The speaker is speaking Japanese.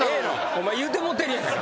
お前言うてもうてるやん。